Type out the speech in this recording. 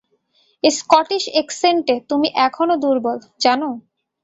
Scottish এক্সেন্টে তুমি এখনও দুর্বল, জানো?